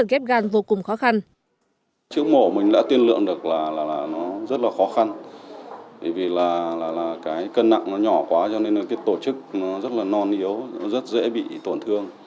các bác sĩ đã tận tình và các bác sĩ đã tận tình